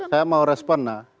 saya mau respon nah